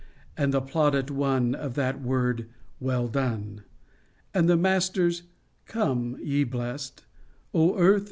And the plaudit won of that word, " Well done !" And the Master's " Come, ye blest !" O earth